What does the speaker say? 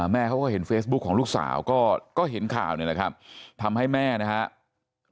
แม่เขาก็เห็นเฟซบุ๊คของลูกสาวก็เห็นข่าวนี่แหละครับทำให้แม่นะครับ